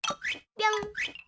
ぴょん。